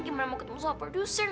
gimana mau ketemu soal produser